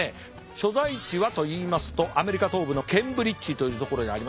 所在地はといいますとアメリカ東部のケンブリッジというところにありまして。